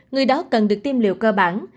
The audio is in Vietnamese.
người đó cần được tiêm liệu cơ bản